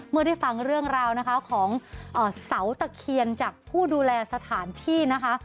เมื่อได้ฟังเรื่องราวนะคะของเสาตะเคียนจากผู้ดูแลสถานที่นะคะ